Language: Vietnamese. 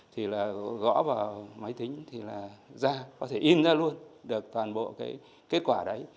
thì gõ vào máy tính thì là ra có thể in ra luôn được toàn bộ kết quả đấy